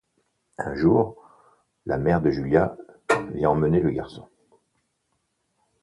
Un jour, la mère de Julia vient emmener le garçon.